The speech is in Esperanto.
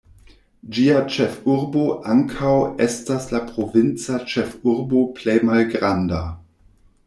Ĝia ĉefurbo ankaŭ estas la provinca ĉefurbo plej malgranda.